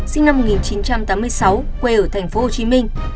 sinh năm một nghìn chín trăm tám mươi sáu quê ở thành phố hồ chí minh